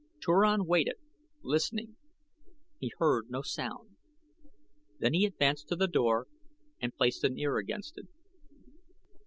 Turan waited, listening. He heard no sound. Then he advanced to the door and placed an ear against it.